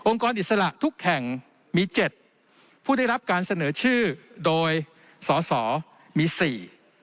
องค์กรอิสระทุกแห่งมี๗ผู้ที่รับการเสนอชื่อโดยสอสอมี๔